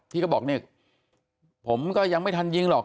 ที่ก็บอกเนี่ยผมก็ยังไม่ทันยิงหรอก